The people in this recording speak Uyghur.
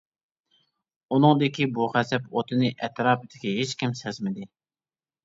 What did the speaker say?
ئۇنىڭدىكى بۇ غەزەپ ئوتىنى ئەتراپتىكى ھېچكىم سەزمىدى.